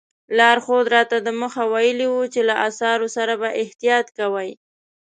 لارښود راته دمخه ویلي وو چې له اثارو سره به احتیاط کوئ.